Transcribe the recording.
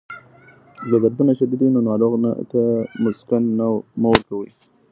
که دردونه شدید وي، نو ناروغ ته مسکن مه ورکوئ.